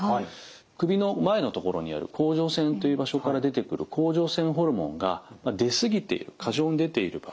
首の前のところにある甲状腺という場所から出てくる甲状腺ホルモンが出すぎている過剰に出ている。